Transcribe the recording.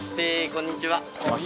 こんにちは。